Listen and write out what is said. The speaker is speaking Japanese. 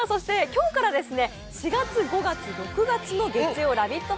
今日から４月５月６月の月曜「ラヴィット！」